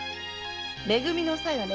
「め組のおさい」はね